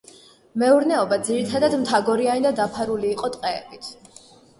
მეურნეობა ძირითადად მთაგორიანი და დაფარული იყო ტყეებით.